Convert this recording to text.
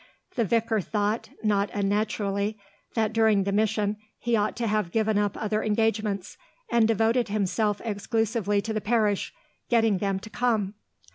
The vicar thought, not unnaturally, that during the mission he ought to have given up other engagements, and devoted himself exclusively to the parish, getting them to come.